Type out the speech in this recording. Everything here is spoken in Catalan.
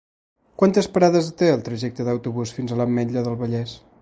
Quantes parades té el trajecte en autobús fins a l'Ametlla del Vallès?